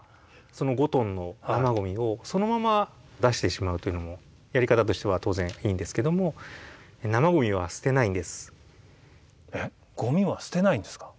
その５トンの生ゴミをそのまま出してしまうというのもやり方としては当然いいんですけどもえっゴミは捨てないんですか？